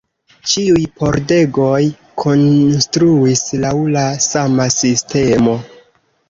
Ĉiuj pordegoj konstruis laŭ la sama sistemo.